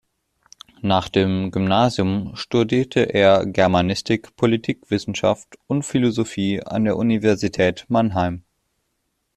Nach dem Gymnasium studierte er Germanistik, Politikwissenschaft und Philosophie an der Universität Mannheim.